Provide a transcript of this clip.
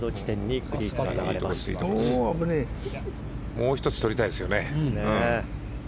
もう１つとりたいですね。